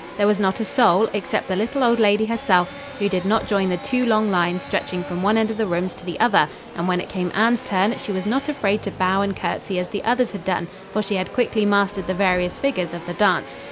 There was not a soul, except the little old lady herself, who did not join the two long lines stretching from one end of the rooms to the other and when it came Anne's turn, she was not afraid to bow and curtsey as the others had done, for she had quickly mastered the various figures of the dance.